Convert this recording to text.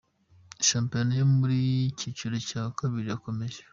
Shampiyona yo mu cyiciro cya kabiri irakomeza